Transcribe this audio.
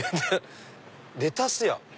レタスや？